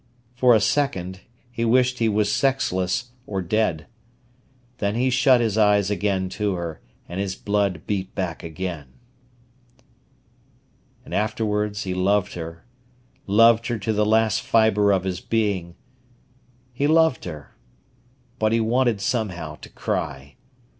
For a second, he wished he were sexless or dead. Then he shut his eyes again to her, and his blood beat back again. And afterwards he loved her—loved her to the last fibre of his being. He loved her. But he wanted, somehow, to cry.